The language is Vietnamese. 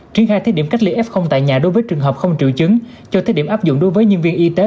triển khai thí điểm cách ly f tại nhà đối với trường hợp không trường chứng cho thí điểm áp dụng đối với nhân viên y tế